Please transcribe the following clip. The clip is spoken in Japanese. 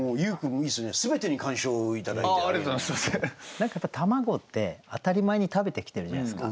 何か卵って当たり前に食べてきてるじゃないですか。